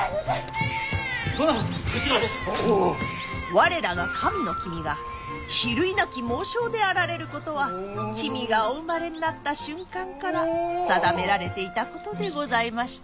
我らが神の君が比類なき猛将であられることは君がお生まれになった瞬間から定められていたことでございまして。